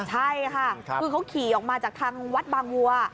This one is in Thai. ใช่ค่ะก็ขี่ออกมาจากทางวัดบังวัว